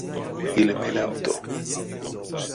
Иля мелявто!